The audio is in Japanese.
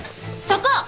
そこ！